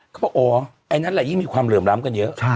ก็บอกอ๋ออันนั้นแหล่ะยิ่งมีความเริ่มร้ำกันเยอะ